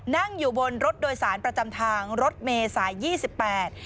นั่งอยู่บนรถโดยสารประจำทางรถเมย์สายยี่สิบแปด